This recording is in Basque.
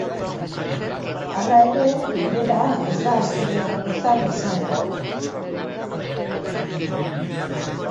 Hala ere, bilera ez da astelehen honetan izango.